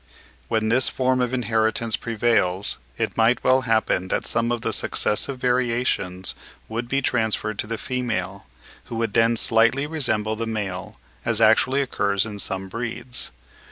When this form of inheritance prevails, it might well happen that some of the successive variations would be transferred to the female, who would then slightly resemble the male, as actually occurs in some breeds.